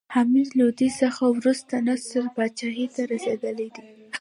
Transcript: حمید لودي څخه وروسته نصر پاچاهي ته رسېدلى دﺉ.